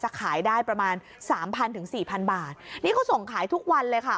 จะขายได้ประมาณ๓๐๐๐๔๐๐๐บาทนี่เขาส่งขายทุกวันเลยค่ะ